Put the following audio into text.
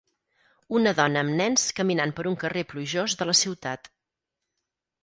Una dona amb nens caminant per un carrer plujós de la ciutat